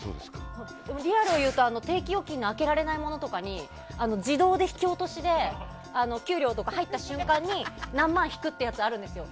リアルを言うと、定期預金とか開けられないものに自動で引き落としで給料とか入った瞬間に何万引くってやつあるんですよ。